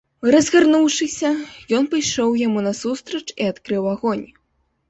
Разгарнуўшыся, ён пайшоў яму насустрач і адкрыў агонь.